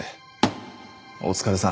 お疲れさん。